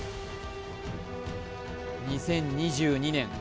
２０２２年